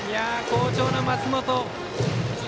好調な松本。